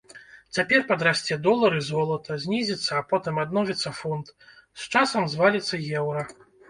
Цяпер падрасце долар і золата, знізіцца, а потым адновіцца фунт, з часам зваліцца еўра.